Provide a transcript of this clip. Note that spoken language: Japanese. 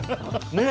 ねえ！